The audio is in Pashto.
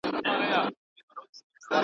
اوس به څوك د جلالا ګودر ته يوسي.